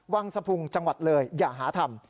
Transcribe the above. วังสะพุงจังหวัดเลยอย่าหาทำ